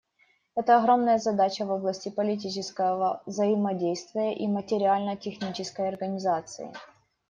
Это огромная задача в области политического взаимодействия и материально-технической организации.